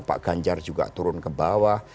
pak ganjar juga turun ke bawah